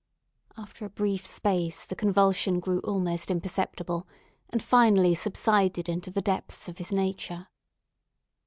After a brief space, the convulsion grew almost imperceptible, and finally subsided into the depths of his nature.